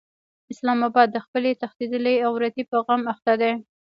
اسلام اباد د خپلې تښتېدلې عورتې په غم اخته دی.